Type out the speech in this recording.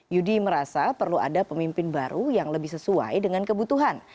yudi merasa perlu ada pemimpin baru yang lebih sesuai dengan kebutuhan